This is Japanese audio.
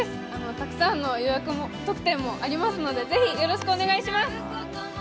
たくさんの予約特典もありますのでぜひよろしくお願いします。